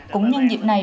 cũng nhân dịp này